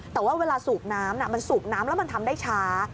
แต่ว่าเวลาสูบน้ำมันสูบน้ำแล้วมันทำได้ช้า